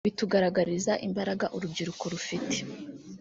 bitugaragariza imbaraga urubyiruko rufite